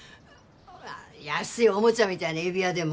安いおもちゃみたいな指輪でも？